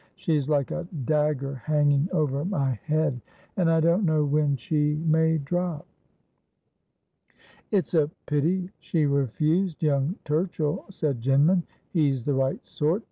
She's like a dagger hanging over my head ; and I don't know when she may drop.' ' It's a pityshe refused young Turchill,' said Jinman. ' He's the right sort.